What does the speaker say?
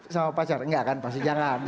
sama pacar enggak kan